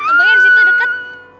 tuh abangnya di situ deket